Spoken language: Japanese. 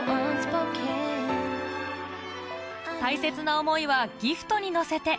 大切な思いはギフトに乗せて